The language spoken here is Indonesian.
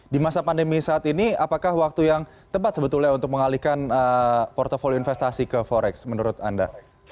di masa pandemi saat ini apakah waktu yang tepat sebetulnya untuk mengalihkan portfolio investasi ke forex menurut anda